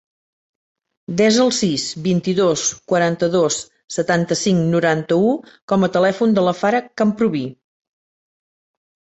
Desa el sis, vint-i-dos, quaranta-dos, setanta-cinc, noranta-u com a telèfon de la Farah Camprubi.